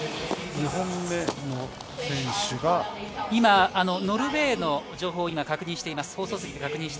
今、ノルウェーの情報を確認しています。